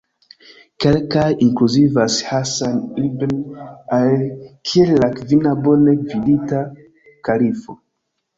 Kelkaj inkluzivas Hasan ibn Ali kiel la kvina bone gvidita kalifo.